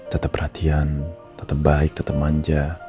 tetap perhatian tetap baik tetap manja